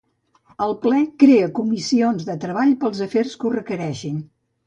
El ple crea comissions de treball pels afers que ho requereixin.